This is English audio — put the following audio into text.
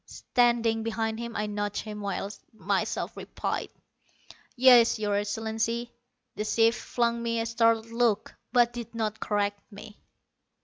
Standing behind him I nudged him, while I myself replied: "Yes, Your Excellency." The chief flung me a startled look, but did not correct me.